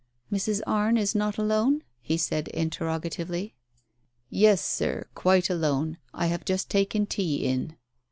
"Mrs. Arne is not alone? " he said interrogatively. "Yes, Sir, quite alone. I have just taken tea in."